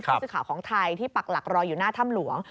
ผู้สื่อข่าวของไทยที่ปักหลักรออยู่หน้าถ้ำหลวง